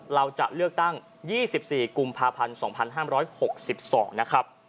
เราจะเลือกตั้ง๒๔กุมภาพันธ์๒๕๖๒นะครับ